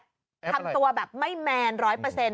ทำตัวแบบไม่แมน๑๐๐